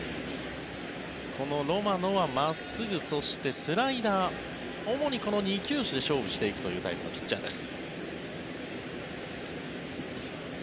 このロマノは真っすぐ、そしてスライダー主にこの２球種で勝負していくというタイプのピッチャーです。